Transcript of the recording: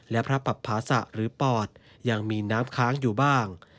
และพระปับภาษะหรือปอดยังมีน้ำค้างอยู่บ้าง